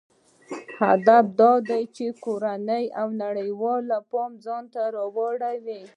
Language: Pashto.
هدف دا دی چې د کورنیو او نړیوالو پام ځانته راواړوي.